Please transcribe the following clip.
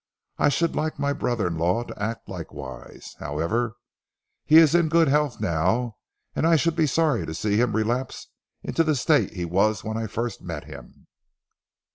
I should like my brother in law to act likewise. However, he is in good health now, and I should be sorry to see him relapse into the state he was when I first met him."